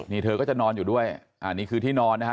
นี่เธอก็จะนอนอยู่ด้วยอันนี้คือที่นอนนะฮะ